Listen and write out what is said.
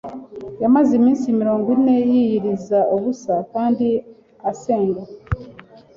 Yamaze iminsi mirongo ine yiyiriza ubusa kandi asenga.